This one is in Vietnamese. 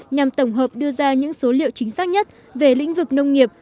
nhằm tổng hợp đưa ra những số liệu chính xác nhất về lĩnh vực nông nghiệp